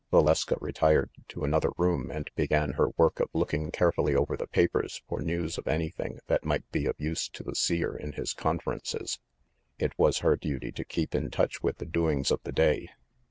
Valeska retired to another room and began her work of looking carefully over the papers for news of anything that might be of use to the Seer in his conferences. It was her duty to keep in touch with the doings of the day.